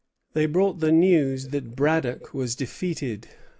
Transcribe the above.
They brought the news that Braddock was defeated.